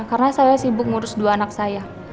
karena saya sibuk ngurus dua anak saya